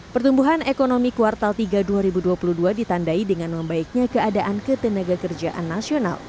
pertumbuhan ekonomi kuartal tiga dua ribu dua puluh dua ditandai dengan membaiknya keadaan ketenaga kerjaan nasional